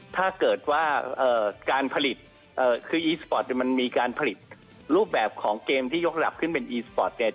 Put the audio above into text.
ถ้าเกิดว่าการผลิตคืออีสปอร์ตมันมีการผลิตรูปแบบของเกมที่ยกระดับขึ้นเป็นอีสปอร์ตเนี่ย